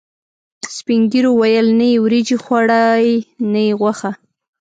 سپینږیرو ویل: نه یې وریجې خوړاوې، نه یې غوښه.